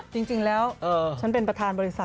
จริงแล้วฉันเป็นประธานบริษัท